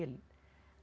bukan yang lain